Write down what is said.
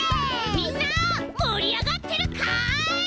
みんなもりあがってるかい？